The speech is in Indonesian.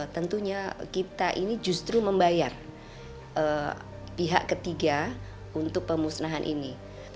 tentunya kita ini justru membayar pihak ketiga untuk pemusnahan ini